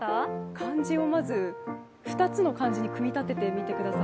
漢字をまず２つの漢字に組み立ててみてください。